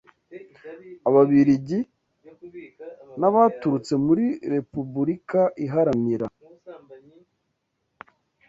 Ababiligi n’abaturutse muri Repubulika Iharanira